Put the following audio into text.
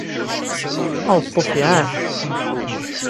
Aweṭṭuf iɛac!